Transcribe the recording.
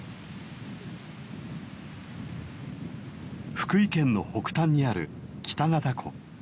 福井県の北端にある北潟湖。